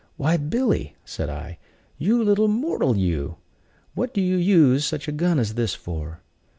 "Why, Billy," said I, "you little mortal, you! what do you use such a gun as this for?"